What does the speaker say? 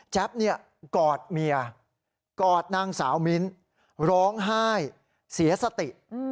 กอดเมียกอดนางสาวมิ้นร้องไห้เสียสติ